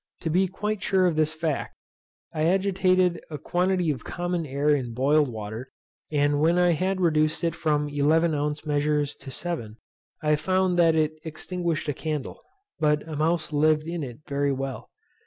To be quite sure of this fact, I agitated a quantity of common air in boiled water, and when I had reduced it from eleven ounce measures to seven, I found that it extinguished a candle, but a mouse lived in it very well.